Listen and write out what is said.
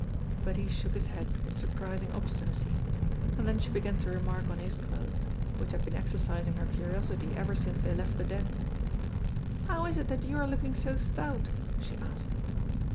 But he shook his head with surprising obstinacy, and then she began to remark on his clothes, which had been exercising her curiosity ever since they left the Den. "How is it that you are looking so stout?" she asked.